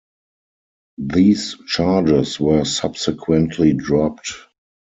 These charges were subsequently dropped.